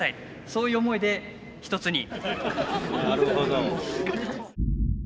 そういう思いで一つに。